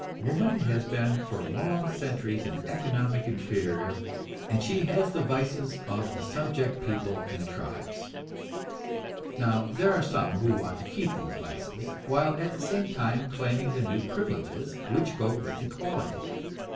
Woman has been for long centuries an economic inferior, and she has the vices of the subject peoples and tribes. Now there are some who want to keep these vices, while at the same time claiming the new privileges which go with equality.